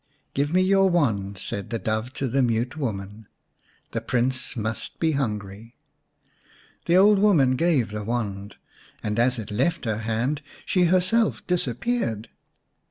Give me your wand," said the Dove to the Mute Woman. " The Prince must be hungry." The old woman gave the wand, and as it left her hand she herself disappeared.